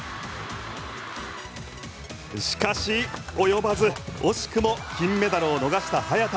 しかし、及ばず惜しくも金メダルを逃した早田。